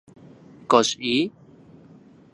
¿Kox yi...?